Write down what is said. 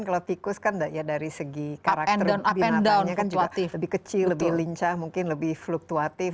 kalau tikus kan ya dari segi karakter binatangnya kan juga lebih kecil lebih lincah mungkin lebih fluktuatif